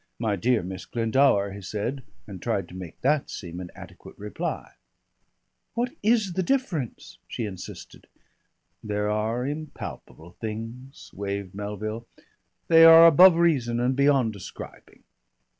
"My dear Miss Glendower," he said, and tried to make that seem an adequate reply. "What is the difference?" she insisted. "There are impalpable things," waived Melville. "They are above reason and beyond describing."